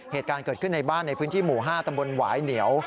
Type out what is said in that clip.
เหตุการณ์เกิดขึ้นในบ้านในพื้นที่หมู่๕ตำบลหวายเหนียว